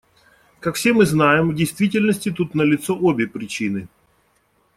Как все мы знаем, в действительности тут налицо обе причины.